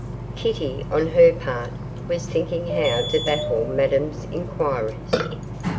Kitty, on her part, was thinking how to baffle Madame's inquiries.